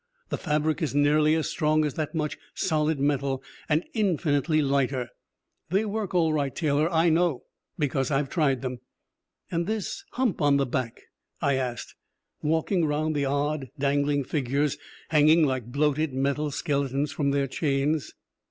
The fabric is nearly as strong as that much solid metal, and infinitely lighter. They work all right, Taylor. I know, because I've tried them." "And this hump on the back?" I asked, walking around the odd, dangling figures, hanging like bloated metal skeletons from their chains.